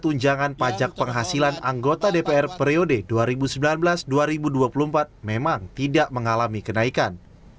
tunjangan pajak penghasilan anggota dpr periode dua ribu sembilan belas dua ribu dua puluh empat memang tidak mengalami kenaikan